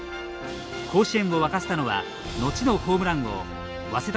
甲子園を沸かせたのは後のホームラン王早稲田